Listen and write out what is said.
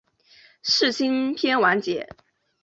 世青篇完结。